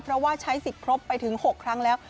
เพราะว่าใช้สิทธิ์ครบไปถึง๖ครั้งแล้ว